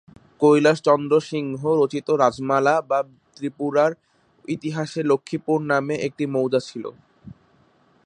কৈলাশ চন্দ্র সিংহ রচিত ‘রাজমালা বা ত্রিপুরা’র ইতিহাসে ‘লক্ষ্মীপুর’ নামে একটি মৌজা ছিল।